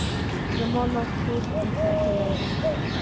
زموږ لاس تور سپی څټلی دی.